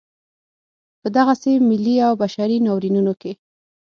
په دغسې ملي او بشري ناورینونو کې.